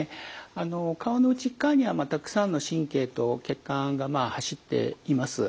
あのお顔の内っ側にはたくさんの神経と血管が走っています。